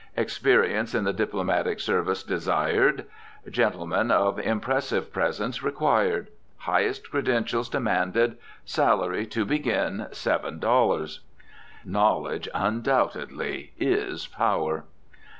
Experience in the diplomatic service desired. Gentleman of impressive presence required. Highest credentials demanded. Salary, to begin, seven dollars." Knowledge, undoubtedly, is power!